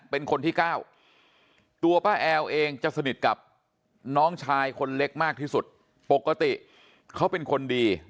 เป็นคนที่เก้าตัวป้าแอลเองจะสนิทกับน้องชายคนเล็กมากที่สุดปกติเขาเป็นคนดี